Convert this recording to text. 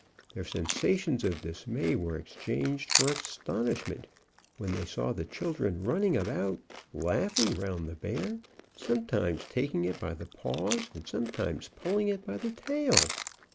Their sensations of dismay were exchanged for astonishment, when they saw the children running about, laughing, round the bear, sometimes taking it by the paws, and sometimes pulling it by the tail.